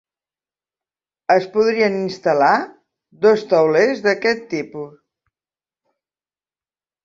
Es podrien instal·lar dos taulers d'aquest tipus.